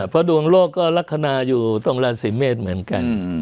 เพราะดวงโลกก็ลักษณะอยู่ตรงราศีเมษเหมือนกัน